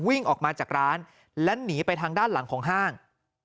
วิ่งออกมาจากร้านและหนีไปทางด้านหลังของห้าง